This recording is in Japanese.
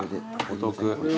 お得。